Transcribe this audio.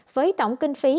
với tổng kinh phí